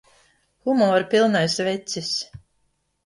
Humora pilnais vecis!